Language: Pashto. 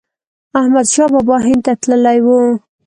احمد شاه بابا هند ته تللی و.